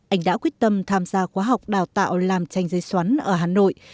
anh đã quyết tâm tham gia khóa học đào tạo làm tranh giấy xoắn ở hà nội